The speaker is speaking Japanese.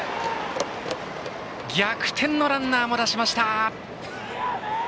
逆転のランナーも出しました！